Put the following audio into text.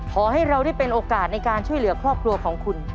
ขอให้เราได้เป็นโอกาสในการช่วยเหลือครอบครัวของคุณ